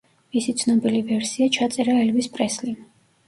მისი ცნობილი ვერსია ჩაწერა ელვის პრესლიმ.